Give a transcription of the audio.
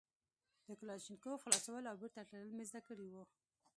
د کلاشينکوف خلاصول او بېرته تړل مې زده کړي وو.